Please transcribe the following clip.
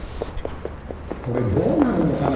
これどうなるのかな？